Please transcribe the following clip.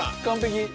完璧！